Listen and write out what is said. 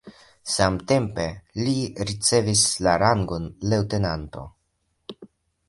Samtempe li ricevis la rangon leŭtenanto.